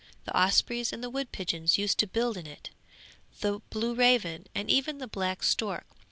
The ospreys and the wood pigeons used to build in it, the blue raven and even the black stork!